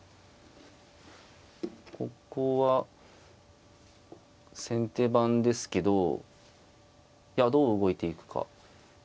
ここは先手番ですけどどう動いていくか。